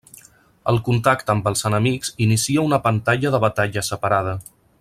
El contacte amb els enemics inicia una pantalla de batalla separada.